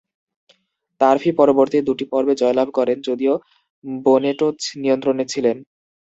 তারফি পরবর্তী দুটি পর্বে জয়লাভ করেন, যদিও বোনেটো নিয়ন্ত্রণে ছিলেন।